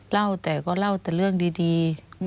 เล่าแต่ก็เล่าแต่เรื่องดี